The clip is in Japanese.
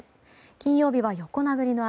金曜日は横殴りの雨。